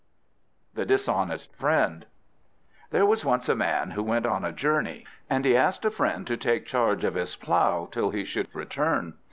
THE DISHONEST FRIEND There was once a man who went on a journey, and he asked a friend to take charge of his plough till he should return.